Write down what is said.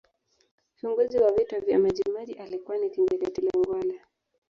kiongozi wa vita vya majimaji alikuwa ni Kinjekitile ngwale